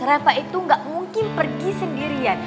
rafa itu gak mungkin pergi sendirian